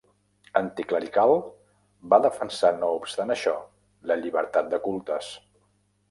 Anticlerical, va defensar no obstant això la llibertat de cultes.